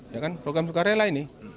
ya kan program sukarela ini